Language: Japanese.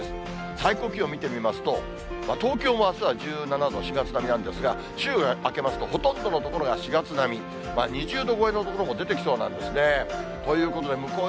最高気温見てみますと、東京もあすは１７度、４月並みなんですが、週が明けますと、ほとんどの所が４月並み、２０度超えの所も出てきそうなんですね。ということで向こう